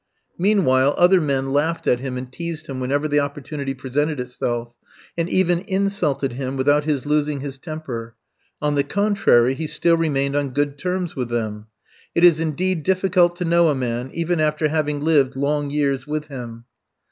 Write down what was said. Meanwhile other men laughed at him and teased him whenever the opportunity presented itself, and even insulted him without his losing his temper; on the contrary, he still remained on good terms with them. It is indeed difficult to know a man, even after having lived long years with him.